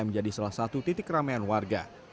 menjadi salah satu titik keramaian warga